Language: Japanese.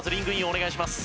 お願いします。